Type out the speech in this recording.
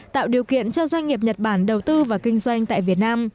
tạo điều kiện cho doanh nghiệp nhật bản đầu tư và kinh doanh tại việt nam